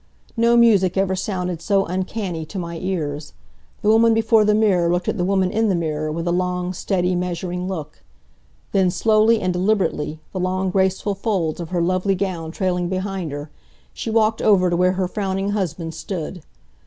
No music ever sounded so uncanny to my ears. The woman before the mirror looked at the woman in the mirror with a long, steady, measuring look. Then, slowly and deliberately, the long graceful folds of her lovely gown trailing behind her, she walked over to where her frowning husband stood.